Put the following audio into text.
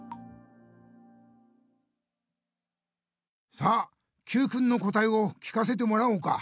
さあＱくんのこたえを聞かせてもらおうか。